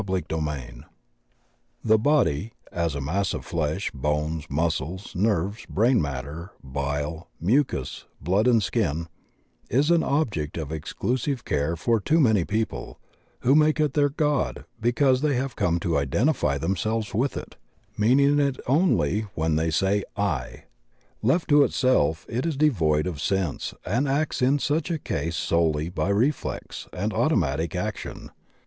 CHAPTER V THE body, as a mass of flesh, bones, muscles, nerves, brain matter, bile, mucous, blood and skin is an object of exclusive care for too many people, who make it their god because they have come to identify themselves with it, meaning it only when they say "I." Left to itself it is devoid of sense, and acts in such a case solely by reflex and automatic action.